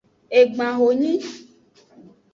Egban honyi.